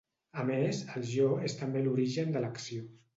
A més, el jo és també l'origen de l'acció.